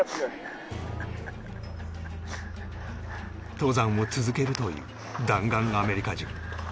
登山を続けるという弾丸アメリカ人